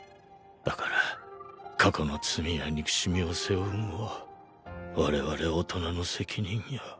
だから過去の罪や憎しみを背負うんは我々大人の責任や。